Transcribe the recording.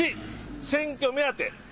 選挙目当て。